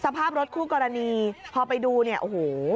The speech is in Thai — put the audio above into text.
สภาพรถคู่กรณีพอไปดูเนี่ยโอ้โห